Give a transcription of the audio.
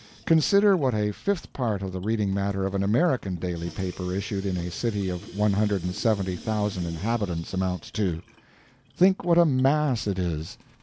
Consider what a fifth part of the reading matter of an American daily paper issued in a city of one hundred and seventy thousand inhabitants amounts to! Think what a mass it is.